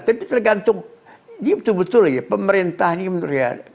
tapi tergantung ini betul betul ya pemerintah ini menurut saya